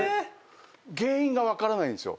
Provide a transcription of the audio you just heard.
原因が分からないんですよ。